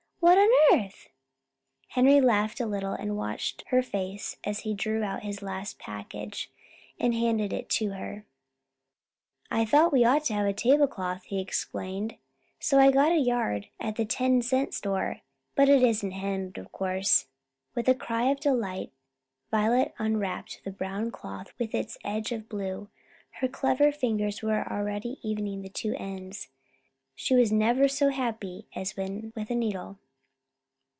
"What on earth?" Henry laughed a little, and watched her face as he drew out his last package and handed it to her. "I thought we ought to have a tablecloth," he explained. "So I got a yard at the ten cent store but it isn't hemmed, of course." With a cry of delight Violet unwrapped the brown cloth with its edge of blue. Her clever fingers were already evening the two ends. She was never so happy as when with a needle.